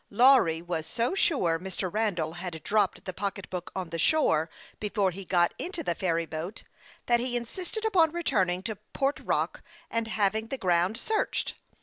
Lawry was so sure Mr. Randall had dropped the pocketbook on the shore before he got into the ferry boat, that he insisted upon returning to Port Rock, and having the ground searched.